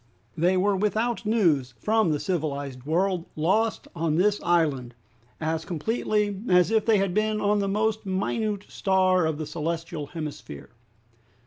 They were without news from the civilized world, lost on this island, as completely as if they had been on the most minute star of the celestial hemisphere!